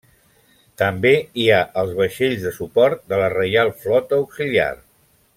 També hi ha els vaixells de suport de la Reial Flota Auxiliar.